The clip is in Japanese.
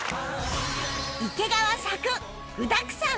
池川作具だくさん！！